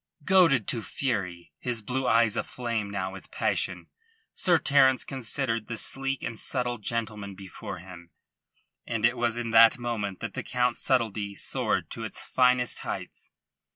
Goaded to fury, his blue eyes aflame now with passion, Sir Terence considered the sleek and subtle gentleman before him, and it was in that moment that the Count's subtlety soared to its finest heights.